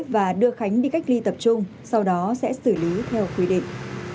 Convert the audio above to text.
và đưa khánh đi cách ly tập trung sau đó sẽ xử lý theo quy định